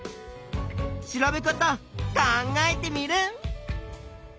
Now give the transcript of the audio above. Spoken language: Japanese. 調べ方考えテミルン！